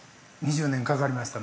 ◆２０年かかりました。